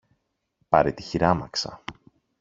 Πάρε τη χειράμαξα